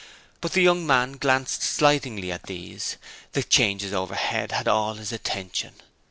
But the young man glanced slightingly at these; the changes overhead had all his attention.